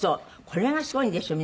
これがすごいんですよ